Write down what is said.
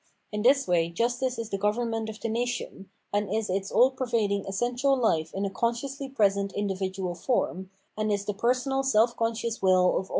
In this way justice is the government of the nation, and is its aU pervading essen tial hfe in a consciously present individual form, and is the personal seH conscious wiU of aU.